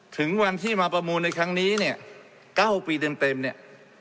ถึงวันที่มาประมูลในครั้งนี้เนี่ย๙ปีเต็มเนี่ย